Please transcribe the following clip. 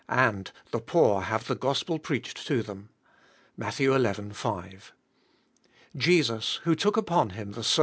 . and the poor have the Gospel preached to them" (Matt, si. 5). Jesns, who took upon Him the sou!